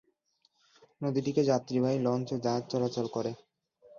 নদীটিতে যাত্রীবাহী লঞ্চ ও জাহাজ চলাচল করে।